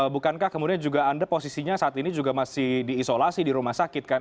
bukankah kemudian juga anda posisinya saat ini juga masih diisolasi di rumah sakit kan